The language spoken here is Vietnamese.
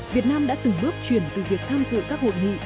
việt nam đã từng bước chuyển từ việc tham dự các hội nghị